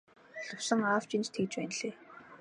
Лувсан аав чинь ч тэгж байна билээ.